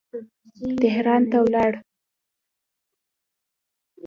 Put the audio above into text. تهران ته ولاړ.